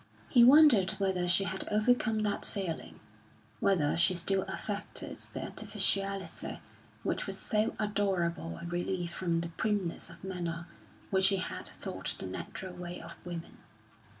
He wondered whether she had overcome that failing, whether she still affected the artificiality which was so adorable a relief from the primness of manner which he had thought the natural way of women.